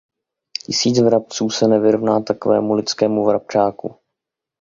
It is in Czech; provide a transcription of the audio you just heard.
Tisíc vrabců se nevyrovná takovému lidskému vrabčáku!